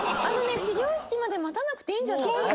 あのね始業式まで待たなくていいんじゃない？